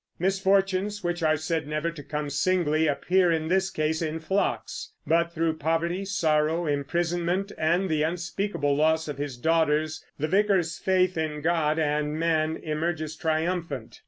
Misfortunes, which are said never to come singly, appear in this case in flocks; but through poverty, sorrow, imprisonment, and the unspeakable loss of his daughters, the Vicar's faith in God and man emerges triumphant.